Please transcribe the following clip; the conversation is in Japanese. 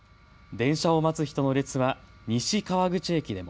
電車を待つ人の列は西川口駅でも。